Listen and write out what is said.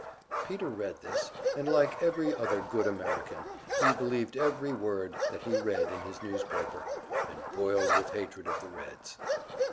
Peter read this, and like every other good American, he believed every word that he read in his newspaper, and boiled with hatred of the Reds.